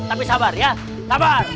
tapi sabar ya sabar